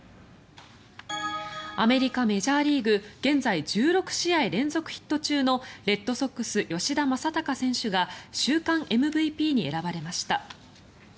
アメリカ、メジャーリーグ現在１６試合連続ヒット中のレッドソックス、吉田正尚選手が週間ＭＶＰに選ばれました。